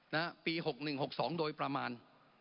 นะฮะปี๖๑๖๒โดยประมาณ